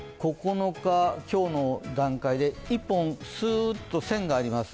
９日、今日の段階で１本すーっと線があります